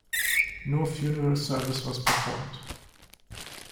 No funeral service was performed.